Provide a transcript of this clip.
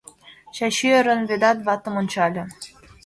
Чачи, ӧрын, Ведат ватым ончале: